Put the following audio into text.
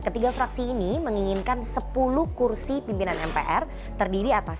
ketiga fraksi ini menginginkan sepuluh kursi pimpinan mpr terdiri atas